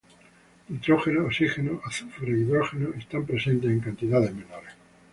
Nitrógeno, oxígeno, azufre e hidrógeno están presentes en cantidades menores.